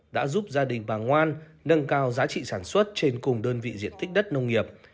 đã giúp gia đình bà ngoan nâng cao giá trị sản xuất trên cùng đơn vị diện tích đất nông nghiệp